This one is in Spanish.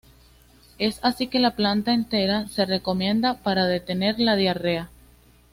Es así, que la planta entera se recomienda para detener la diarrea.